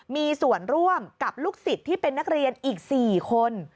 มีส่วนร่วมกับลูกศิษย์ที่เป็นนักเรียนอีก๔คน